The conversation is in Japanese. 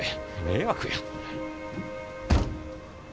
迷惑や。